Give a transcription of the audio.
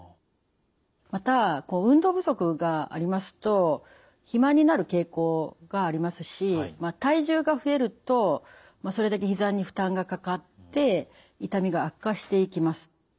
また運動不足がありますと暇になる傾向がありますし体重が増えるとそれだけひざに負担がかかって痛みが悪化していきます。